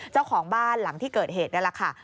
เจ้าของบ้านหลังที่เกิดเหตุนั่นแหละค่ะ